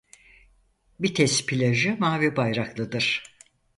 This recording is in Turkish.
Bitez plajı mavi bayraklıdır.